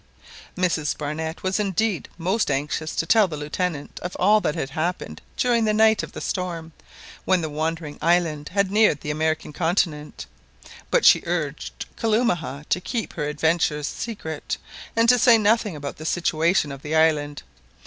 Mrs Barnett was indeed most anxious to tell the Lieutenant of all that had happened during the night of the storm, when the wandering island had neared the American continent, but she urged Kalumah to keep her adventures secret, and to say nothing about the situation of the island.